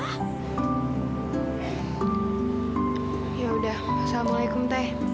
ya udah assalamualaikum teteh